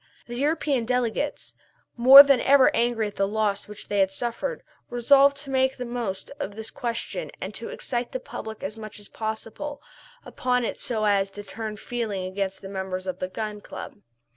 The European delegates, more than ever angry at the loss which they had suffered, resolved to make the most of this question and to excite the public as much as possible upon it so as to turn feeling against the members of the Gun Club.